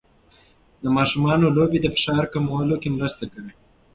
د ماشومانو لوبې د فشار کمولو کې مرسته کوي.